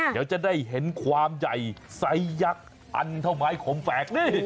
เดี๋ยวจะได้เห็นความใหญ่ไซส์ยักษ์อันเท่าไม้ขมแฝกนี่